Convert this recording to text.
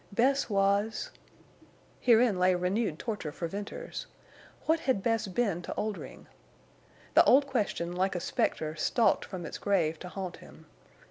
Bess was—Herein lay renewed torture for Venters. What had Bess been to Oldring? The old question, like a specter, stalked from its grave to haunt him.